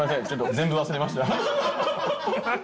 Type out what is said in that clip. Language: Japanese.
全部忘れました。